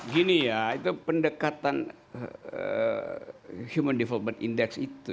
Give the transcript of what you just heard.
gini ya itu pendekatan human development index itu